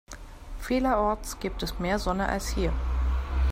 Vielerorts gibt es mehr Sonne als hier.